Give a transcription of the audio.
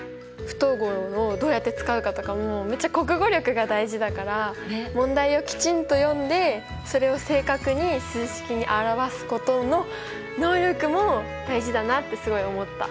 不等号をどうやって使うかとかもめっちゃ国語力が大事だから問題をきちんと読んでそれを正確に数式に表すことの能力も大事だなってすごい思った。